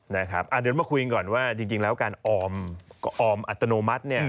เดี๋ยวมาคุยกันก่อนว่าจริงแล้วการออมอัตโนมัติเนี่ย